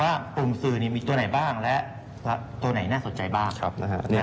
ว่ากลุ่มสื่อมีตัวไหนบ้างและตัวไหนน่าสนใจบ้างนะครับ